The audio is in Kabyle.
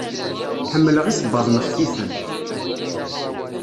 Ḥemmleɣ isebbaḍen xfifen.